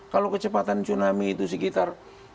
kalau kecepatan tsunami itu sekitar